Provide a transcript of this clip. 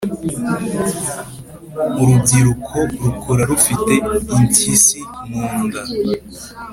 urubyiruko rukura rufite impyisi munda